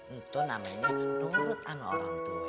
itu namanya nurut an orang tua ya